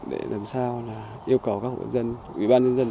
để làm sao yêu cầu các hội dân